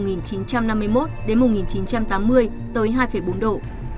giai đoạn năm một nghìn chín trăm năm mươi một một nghìn chín trăm tám mươi tới hai bốn độ